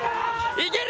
いける！